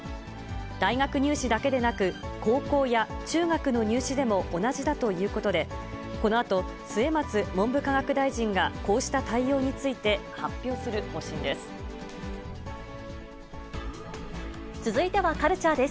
大学入試だけでなく、高校や中学の入試でも同じだということで、このあと、末松文部科学大臣が、こうした対応について発表する方針です。